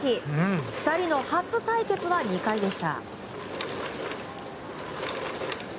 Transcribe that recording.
２人の初対決は２回でした。